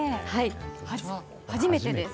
初めてです。